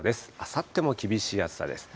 あさっても厳しい暑さです。